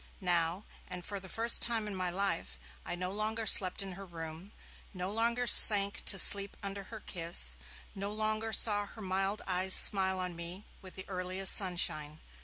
Now, and for the first time in my life, I no longer slept in her room, no longer sank to sleep under her kiss, no longer saw her mild eyes smile on me with the earliest sunshine.